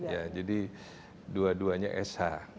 ya jadi dua duanya sh